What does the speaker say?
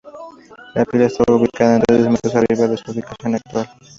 La Pila estaba ubicada entonces metros mas arriba de su ubicación actual.